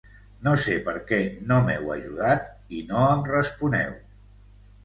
No sé perquè no m'heu ajudat i no em responeu.